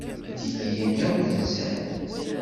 Itikiyen akk nzan.